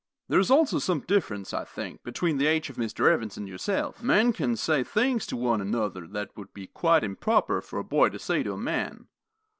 There is also some difference, I think, between the age of Mr. Evans and yourself. Men can say things to one another that would be quite improper for a boy to say to a man.